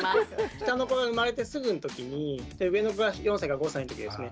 下の子が生まれてすぐのときに上の子が４歳から５歳のときですね。